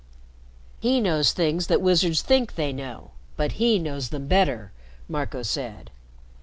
"He knows things that wizards think they know, but he knows them better," Marco said.